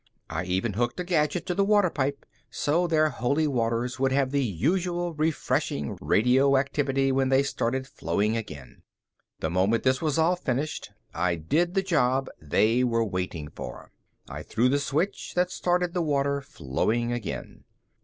I even hooked a gadget to the water pipe so their Holy Waters would have the usual refreshing radioactivity when they started flowing again. The moment this was all finished, I did the job they were waiting for. I threw the switch that started the water flowing again.